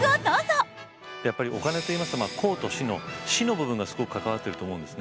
やっぱりお金といいますと公と私の私の部分がすごく関わってると思うんですね。